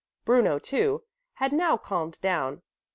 Bruno, too, had now calmed down.